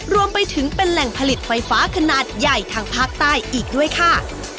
รวมไปถึงเป็นแหล่งผลิตไฟฟ้าขนาดใหญ่ทางภาคใต้อีกด้วยค่ะ